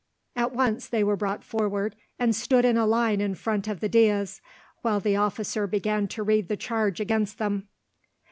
At once they were brought forward, and stood in a line in front of the dais, while the officer began to read the charge against them.